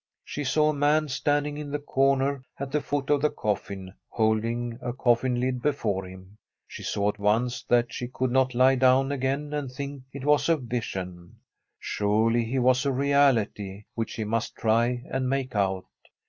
She saw a man standing in the comer, at the foot of the coffin, holding a coffin lid before him. She saw at once that she could not lie down again and think it was a vision. Surely he was a reality, which she must try and make out.